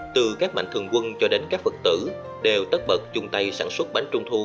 từ các mạnh thường quân cho đến các phật tử đều tất bật chung tay sản xuất bánh trung thu